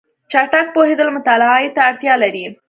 چټک پوهېدل مطالعه ته اړتیا لري.